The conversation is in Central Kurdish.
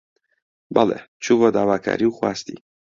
بەڵی، چوو بۆ داواکاری و خواستی